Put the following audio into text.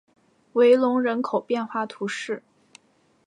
隆维人口变化图示